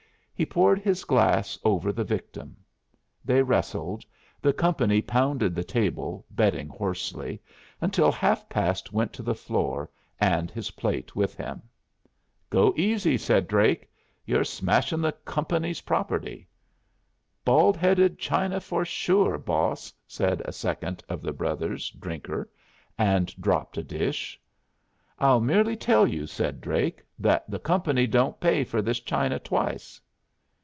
He poured his glass over the victim. They wrestled, the company pounded the table, betting hoarsely, until Half past went to the floor, and his plate with him. "Go easy," said Drake. "You're smashing the company's property." "Bald headed china for sure, boss!" said a second of the brothers Drinker, and dropped a dish. "I'll merely tell you," said Drake, "that the company don't pay for this china twice."